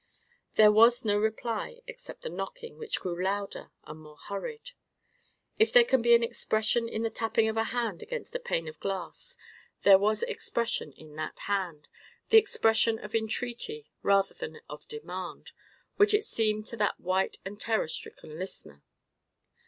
There was no reply except the knocking, which grew louder and more hurried. If there can be expression in the tapping of a hand against a pane of glass, there was expression in that hand—the expression of entreaty rather than of demand, as it seemed to that white and terror stricken listener.